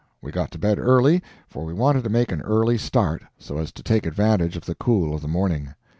We got to bed early, for we wanted to make an early start, so as to take advantage of the cool of the morning.